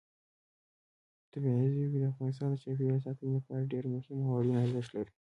طبیعي زیرمې د افغانستان د چاپیریال ساتنې لپاره ډېر مهم او اړین ارزښت لري.